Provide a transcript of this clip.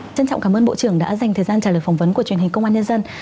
trân trọng cảm ơn bộ trưởng đã dành thời gian trả lời phỏng vấn của truyền hình công an nhân dân